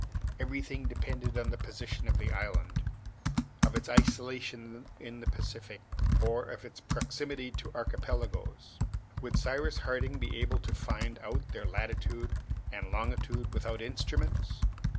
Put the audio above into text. Everything depended on the position of the island, of its isolation in the Pacific, or of its proximity to archipelagoes. Would Cyrus Harding be able to find out their latitude and longitude without instruments?